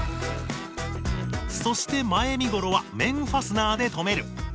そして前身ごろは面ファスナーで留める。